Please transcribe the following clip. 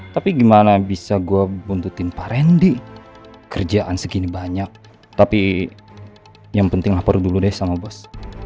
tapi gimana bisa gue buntutin parendy kerjaan segini banyak tapi yang penting lapor dulu deh sama bos